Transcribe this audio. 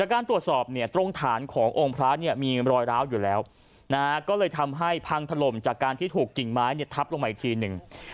การตรวจสอบตรงฐานขององค์พระมีรอยร้าวอยู่แล้วก็เลยทำให้พังทะลมจากการที่ถูกกิ่งไม้ทับลงมาอีกทีนึง